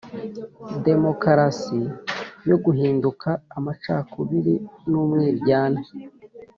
demokarasi yo guhinduka amacakubiri n umwiryane